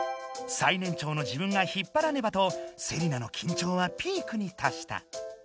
最年長の自分が引っぱらねばとセリナのきんちょうはピークに達した。